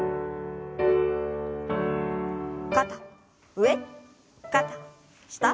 肩上肩下。